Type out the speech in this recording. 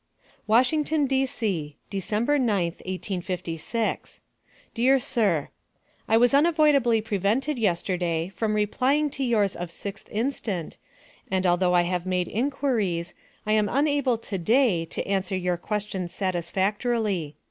WASHINGTON, D.C., Dec. 9th, 1856. DEAR SIR: I was unavoidably prevented yesterday, from replying to yours of 6th instant, and although I have made inquiries, I am unable to day, to answer your questions satisfactorily.